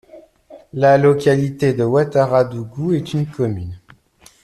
La localité de Ouattaradougou est une commune.